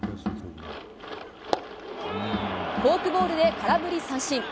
フォークボールで空振り三振。